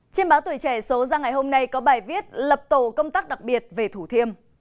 trên báo tuổi trẻ số ra ngày hôm nay có bài viết lập tổ công tác đặc biệt về thủ thiêm